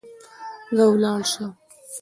ځه ولاړ سه.